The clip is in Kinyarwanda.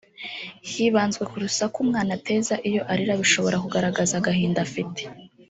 Hibanzwe ku rusaku umwana ateza iyo arira bishobora kugaragaza agahinda afite